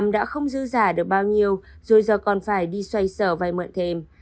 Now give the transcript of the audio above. được bao nhiêu rồi giờ còn phải đi xoay sở vài mượn thêm